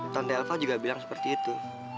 tante elva juga bilang seperti itu